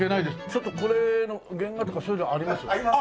ちょっとこれの原画とかそういうのあります？あります。